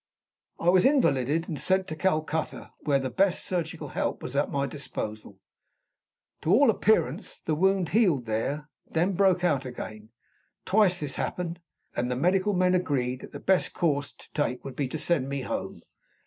I was invalided and sent to Calcutta, where the best surgical help was at my disposal. To all appearance, the wound healed there then broke out again. Twice this happened; and the medical men agreed that the best course to take would be to send me home.